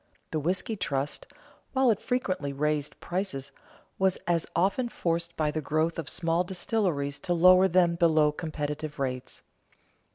The whisky trust, while it frequently raised prices, was as often forced by the growth of small distilleries to lower them below competitive rates.